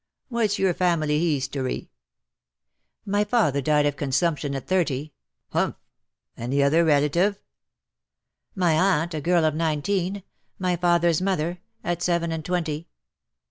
What's your family heestory ?''" My father died of consumption at thirty." " Humph ! ainy other relative ?"" My aunt, a girl of nineteen ; my father's mother, at seven and twenty."